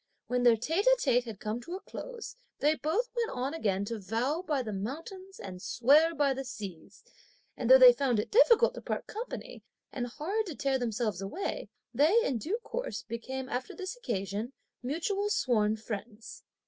When their tête à tête had come to a close, they both went on again to vow by the mountains and swear by the seas, and though they found it difficult to part company and hard to tear themselves away, they, in due course, became, after this occasion, mutual sworn friends.